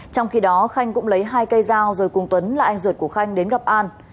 trong khi đó khanh cũng lấy hai cây dao rồi cùng tuấn là anh ruột của khanh đến gặp an